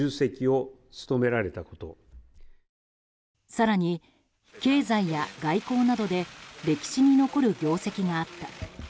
更に、経済や外交などで歴史に残る業績があった。